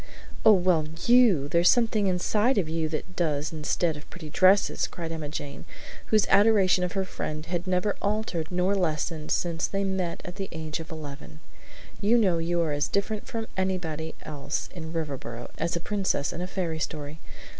"Oh, well, YOU! There's something inside of you that does instead of pretty dresses," cried Emma Jane, whose adoration of her friend had never altered nor lessened since they met at the age of eleven. "You know you are as different from anybody else in Riverboro as a princess in a fairy story.